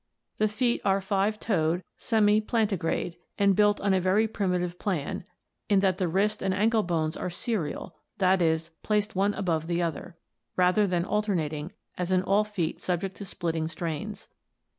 The feet are five toed, semi plantigrade, and built on a very primi tive plan, in that the wrist and ankle bones are serial, that is, placed one above another (see page 580) rather than alternating as in all feet subject to splitting strains.